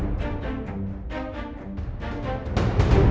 aku akan menemukanmu